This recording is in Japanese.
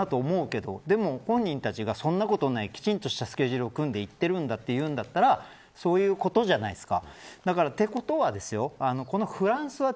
ちょっと改善しますだったらまだそうじゃないんだなと思うけどでも本人たちがそんなことはない、きちんとしたスケジュールを組んで行ってるんだというんだったらそういうことじゃないですか。